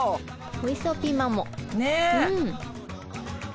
おいしそうピーマンも。